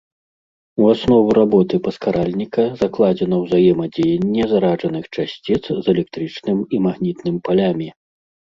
У аснову работы паскаральніка закладзена ўзаемадзеянне зараджаных часціц з электрычным і магнітным палямі.